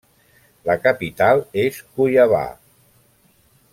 La capital és Cuiabá.